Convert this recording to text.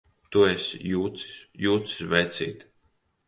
Tu esi jucis! Jucis, vecīt!